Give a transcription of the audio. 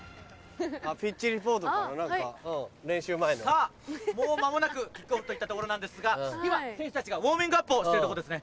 さぁもう間もなくキックオフといったところなんですが今選手たちがウオーミングアップをしてるとこですね。